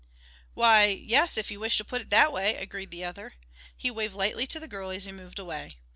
"Why, yes, if you wish to put it that way," agreed the other. He waved lightly to the girl as he moved away.